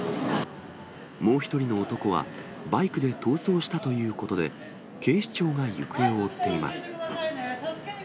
もう１人の男は、バイクで逃走したということで、警視庁が行方を追っています。